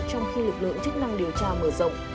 trong khi lực lượng chức năng điều tra mở rộng